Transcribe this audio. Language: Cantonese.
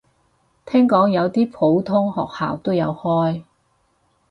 聽講有啲普通學校都有開